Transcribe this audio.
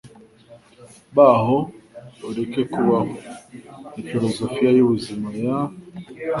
Baho ureke kubaho, ni filozofiya yubuzima ya